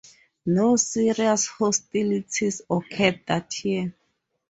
No serious hostilities occurred that year.